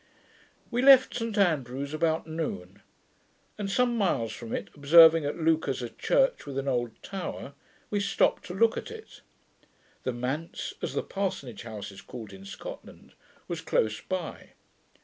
We left St Andrews about noon, and some miles from it observing, at Leuchars, a church with an old tower, we stopped to look at it. The manse, as the parsonage house is called in Scotland, was close by.